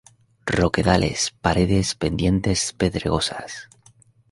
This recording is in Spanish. Roquedales, paredes, pendientes pedregosas.